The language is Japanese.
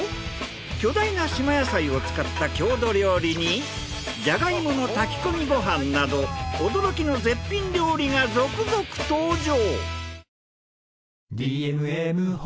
巨大な島野菜を使った郷土料理にジャガイモの炊き込みご飯など驚きの絶品料理が続々登場。